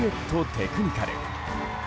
テクニカル。